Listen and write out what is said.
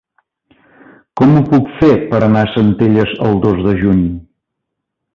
Com ho puc fer per anar a Centelles el dos de juny?